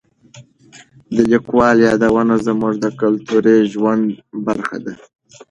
د لیکوالو یادونه زموږ د کلتوري ژوند برخه ده.